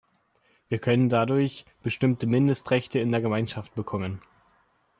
Wir können dadurch bestimmte Mindestrechte in der Gemeinschaft bekommen.